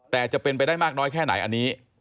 แต่จะเป็นไปได้มากน้อยแค่ไหนอันนี้